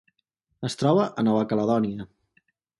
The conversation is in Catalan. Es troba a Nova Caledònia.